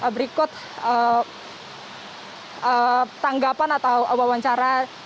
berikut tanggapan atau wawancara